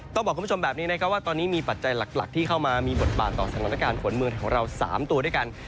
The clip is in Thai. ต้องบอกคุณผู้ชมแบบนี้นะครับว่าตอนนี้มีปัจจัยหลักที่เข้ามามีบทบาทต่อสถานการณ์ฝนเมืองของเรา๓ตัวด้วยกัน